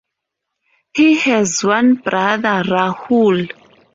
He has one brother, Rahul.